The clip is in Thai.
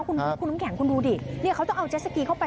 คุณอุ๊มแข็งคุณดูดิเขาต้องเอาเจ็สสกีเข้าไป